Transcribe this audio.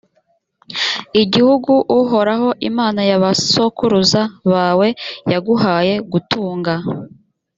igihugu uhoraho imana y’abasokuruza bawe yaguhaye gutunga,